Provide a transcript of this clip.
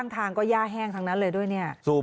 ทางก็ย่าแห้งทั้งนั้นเลยด้วยเนี่ย